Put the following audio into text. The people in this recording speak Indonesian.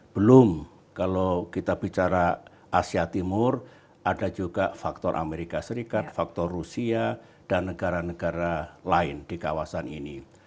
belum kalau kita bicara asia timur ada juga faktor amerika serikat faktor rusia dan negara negara lain di kawasan ini